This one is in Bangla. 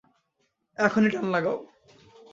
এখনই টান লাগাও।